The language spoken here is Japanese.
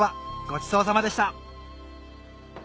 ごちそうさまでした